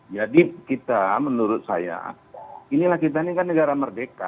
jadi kita menurut saya inilah kita ini kan negara merdeka